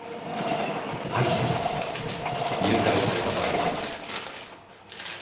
亜里沙ちゃんが誘拐された場所は。